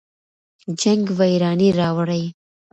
جنګ ویراني راوړي.